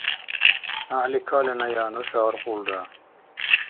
ГӀяхӀли каленая, нуша аркьулра.